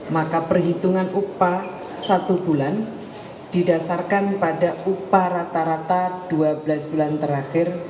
maka perhitungan upah satu bulan didasarkan pada upah rata rata dua belas bulan terakhir